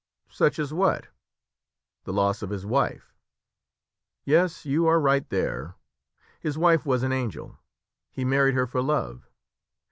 "Such as what?" "The loss of his wife." "Yes, you are right there; his wife was an angel; he married her for love.